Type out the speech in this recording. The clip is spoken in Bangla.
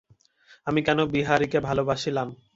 আমি কেন বিহারীকে ভালোবাসিলাম।